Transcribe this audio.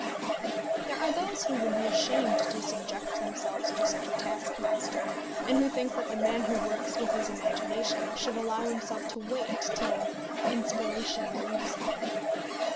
There are those who would be ashamed to subject themselves to such a taskmaster, and who think that the man who works with his imagination should allow himself to wait till inspiration moves him.